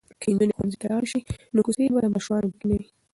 که نجونې ښوونځي ته لاړې شي نو کوڅې به له ماشومانو ډکې نه وي.